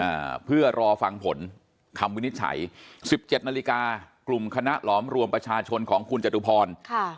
อ่าเพื่อรอฟังผลคำวินิจฉัยสิบเจ็ดนาฬิกากลุ่มคณะหลอมรวมประชาชนของคุณจตุพรค่ะ